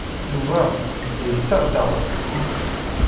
Yuba yella yessaɣ-d aɣrum.